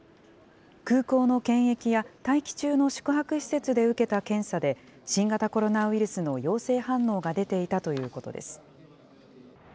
空港の検疫や、待機中の宿泊施設で受けた検査で、新型コロナウイルスの陽性反応が出ていたということです。